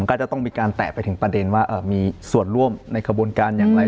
ก็จะต้องมีการแตะไปถึงประเด็นว่ามีส่วนร่วมในขบวนการอย่างไร